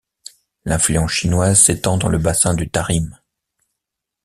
L’influence chinoise s’étend dans le bassin du Tarim.